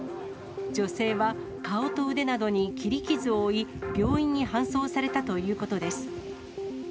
女性は顔と腕などに切り傷を負い、病院に搬送されたということです。